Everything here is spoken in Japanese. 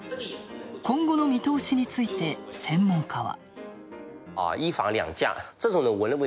今後の見通しについて専門家は。